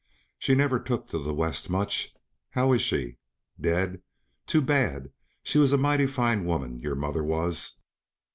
She never took to the West much. How is she? Dead? Too bad; she was a mighty fine woman, your mother was.